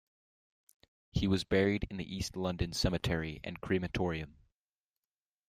He was buried in the East London Cemetery and Crematorium.